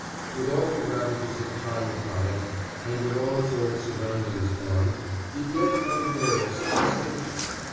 With all the ravages of time upon it, and with all its old surroundings gone, it yet had an air of some distinction.